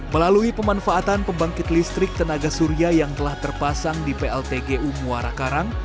melalui pemanfaatan pembangkit listrik tenaga surya yang telah terpasang di pltgu muara karang